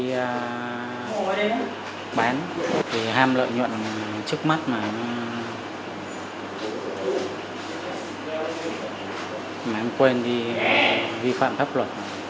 em đã bán ham lợi nhuận trước mắt mà em quên đi vi phạm pháp luật